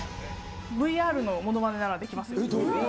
ＶＲのものまねならできますよ。